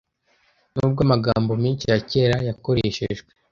nubwo amagambo menshi ya kera yakoreshejwe